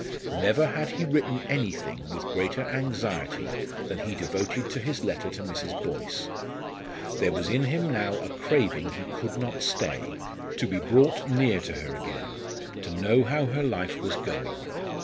Never had he written anything with greater anxiety than he devoted to his letter to Mrs. Boyce. There was in him now a craving he could not stay, to be brought near to her again, to know how her life was going.